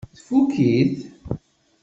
Tfukk-it?